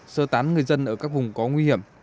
sơ tán người dân ở các vùng có nguy hiểm